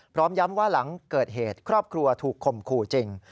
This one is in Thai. พร้อมย้ำว่าหลังเกิดเหตุครอบครัวถูกข่มขู่จริง